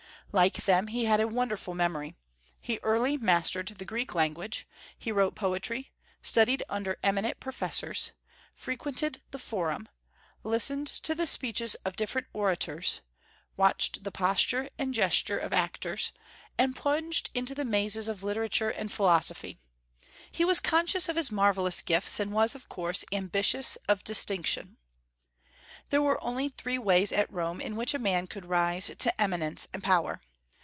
Like them, he had a wonderful memory. He early mastered the Greek language; he wrote poetry, studied under eminent professors, frequented the Forum, listened to the speeches of different orators, watched the posture and gestures of actors, and plunged into the mazes of literature and philosophy. He was conscious of his marvellous gifts, and was, of course, ambitious of distinction. There were only three ways at Rome in which a man could rise to eminence and power.